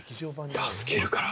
助けるから。